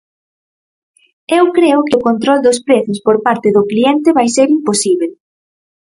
Eu creo que o control dos prezos por parte do cliente vai ser imposíbel.